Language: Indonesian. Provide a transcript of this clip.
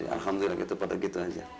alhamdulillah pada gitu aja